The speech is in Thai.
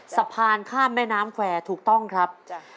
สะพานข้ามแม่น้ำแควร์ถูกต้องครับ